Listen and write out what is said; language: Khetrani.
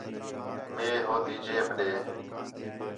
مئے ہو تی جیب ݙے